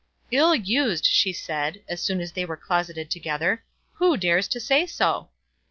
"Ill used!" she said, as soon as they were closeted together. "Who dares to say so?"